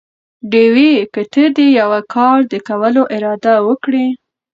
ډېوې!! که ته دې يوه کار د کولو اراده وکړي؟